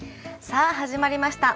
さあ始まりました。